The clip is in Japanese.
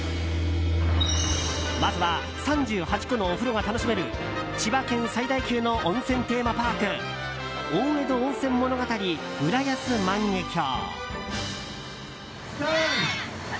まずは３８個のお風呂が楽しめる千葉県最大級の温泉テーマパーク大江戸温泉物語浦安万華郷。